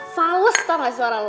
fales toh gak suara lo